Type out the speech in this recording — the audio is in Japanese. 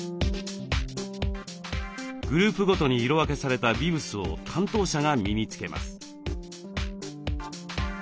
グループごとに色分けされたビブスを担当者が身につけます。